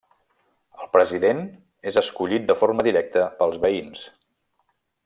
El President és escollit de forma directa pels veïns.